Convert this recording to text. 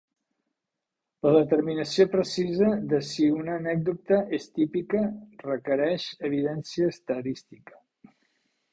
La determinació precisa de si una anècdota és "típica" requereix evidència estadística.